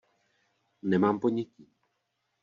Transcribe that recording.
Nemám ponětí.